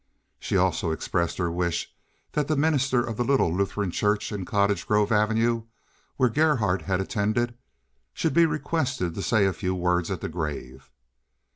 She also expressed her wish that the minister of the little Lutheran church in Cottage Grove Avenue, where Gerhardt had attended, should be requested to say a few words at the grave.